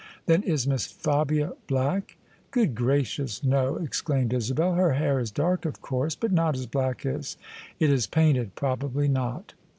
" Then is Miss Fabia black? "" Good gracious, no! " exclaimed Isabel. Her hair is dark, of course, but not as black as " It is painted: probably not.